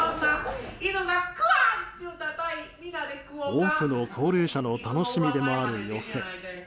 多くの高齢者の楽しみでもある寄席。